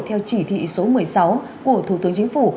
theo chỉ thị số một mươi sáu của thủ tướng chính phủ